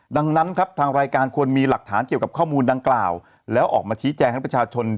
ดังนั้นครับทางรายการควรมีหลักฐานเกี่ยวกับข้อมูลดังกล่าวแล้วออกมาชี้แจงให้ประชาชน